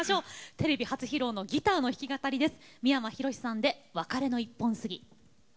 テレビ初披露のギターの弾き語りです。